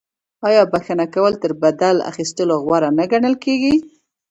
آیا بخښنه کول تر بدل اخیستلو غوره نه ګڼل کیږي؟